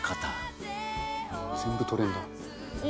「全部採れるんだ」